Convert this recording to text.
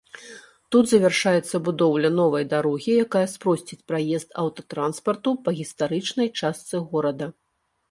Тут завяршаецца будоўля новай дарогі, якая спросціць праезд аўтатранспарту па гістарычнай частцы горада.